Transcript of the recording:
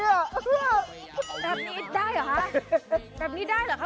แบบนี้ได้เหรอคะแบบนี้ได้เหรอคะ